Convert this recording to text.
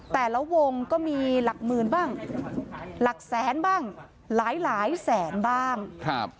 แต่ละวงก็มีหลักหมื่นบ้างหลักแสนบ้างหลายหลายแสนบ้างครับ